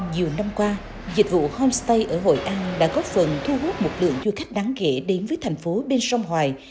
nhiều năm qua dịch vụ homestay ở hội an đã có phần thu hút một lượng du khách đáng ghẻ đến với thành phố bên sông hoài